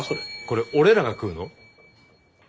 これ俺らが食うの？